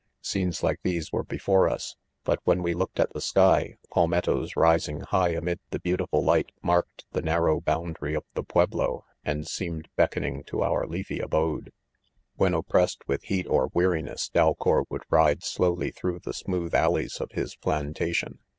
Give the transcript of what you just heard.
m . Scenes like these were before us ; bat when we looked at the sky, palmettos; rising high amid the beautiful light, marked the narrow boundary of the " pueblo," and seemed beck oning to our leafy abode. When oppressed with heat or weariness, Dalcour would ride slowly through the smooth alleys of his plantation.